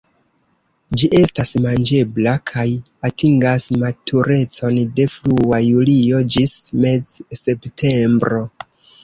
Ĝi estas manĝebla, kaj atingas maturecon de frua julio ĝis mez-septembro.